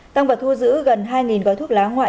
tăng vật thu giữ gần hai gói thuốc lá ngoại